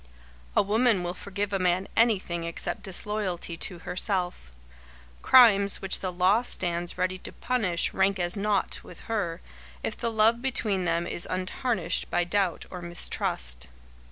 A woman will forgive a man anything except disloyalty to herself. Crimes which the law stands ready to punish rank as naught with her, if the love between them is untarnished by doubt or mistrust.